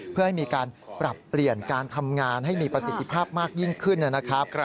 เพื่อให้มีการปรับเปลี่ยนการทำงานให้มีประสิทธิภาพมากยิ่งขึ้นนะครับ